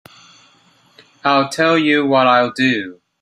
I'll tell you what I'll do.